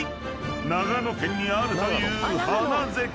［長野県にあるという花絶景］